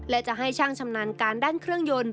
และจะให้ช่างชำนาญการด้านเครื่องยนต์